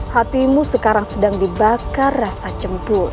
hatimu sekarang sedang dibakar rasa cempur